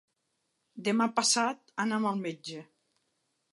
Demà passat anam al metge.